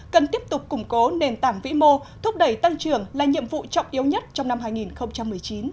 cần tiếp tục củng cố nền tảng vĩ mô thúc đẩy tăng trưởng là nhiệm vụ trọng yếu nhất trong năm hai nghìn một mươi chín